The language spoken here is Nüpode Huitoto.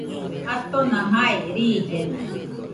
Atona jai, riillena